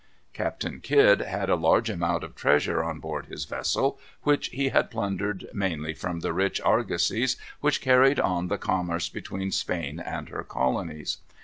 Captain Kidd had a large amount of treasure on board his vessel, which he had plundered mainly from the rich argosies which carried on the commerce between Spain and her colonies.